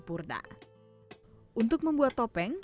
untuk membuat topeng